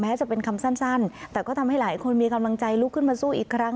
จะเป็นคำสั้นแต่ก็ทำให้หลายคนมีกำลังใจลุกขึ้นมาสู้อีกครั้ง